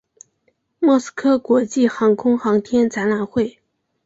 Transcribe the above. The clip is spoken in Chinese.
莫斯科国际航空航天展览会。